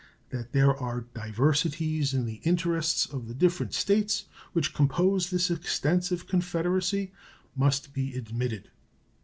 That there are diversities in the interests of the different States which compose this extensive Confederacy must be admitted.